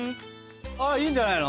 ああいいんじゃないの？